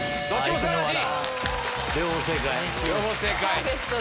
素晴らしい！